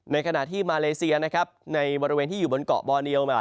ขณะที่มาเลเซียนะครับในบริเวณที่อยู่บนเกาะบอเนียลมา